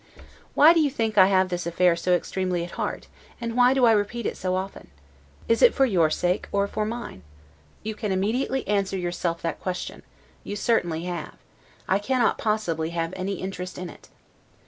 Why do you think I have this affair so extremely at heart, and why do I repeat it so often? Is it for your sake, or for mine? You can immediately answer yourself that question; you certainly have I cannot possibly have any interest in it.